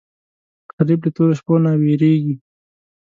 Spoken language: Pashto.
غریب له تورو شپو نه وېرېږي